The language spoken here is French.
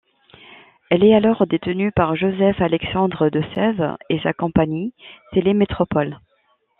Elle est alors détenue par Joseph Alexandre De Sève et sa compagnie, Télé-Métropole.